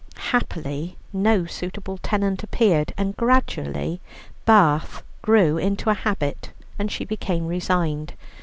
Happily no suitable tenant appeared, and gradually Bath grew into a habit and she became resigned.